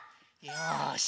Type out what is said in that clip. よし。